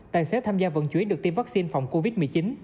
tài xế tham gia vận chuyển được tiêm vaccine phòng covid một mươi chín